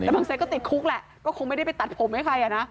แต่บางเซตก็ติดคุกแหละก็คงไม่ได้ไปตัดผมให้ใครอ่ะนะ